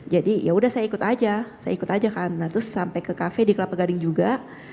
jadi yaudah saya ikut aja saya ikut aja kan nah terus sampai ke kafe di kelapa gading juga